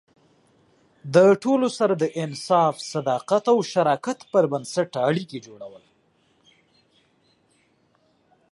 د ټولو سره د انصاف، صداقت او شراکت پر بنسټ اړیکې جوړول.